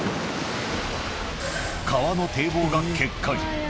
川の堤防が決壊。